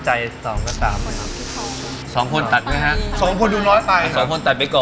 ใจสองก็สามสองคนตัดไว้ฮะสองคนดูน้อยไปสองคนตัดไปก่อน